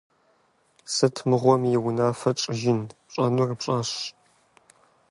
Сыт мыгъуэм и унафэ тщӏыжын? Пщӏэнур пщӏащ.